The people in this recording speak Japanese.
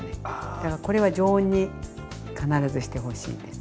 だからこれは常温に必ずしてほしいんです。